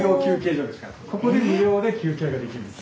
ここで無料で休憩ができるんです。